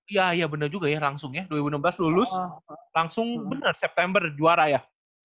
iya iya benar juga ya langsung ya dua ribu enam belas lulus langsung benar september juara ya